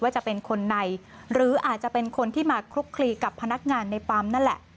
จะเป็นคนในหรืออาจจะเป็นคนที่มาคลุกคลีกับพนักงานในปั๊มนั่นแหละ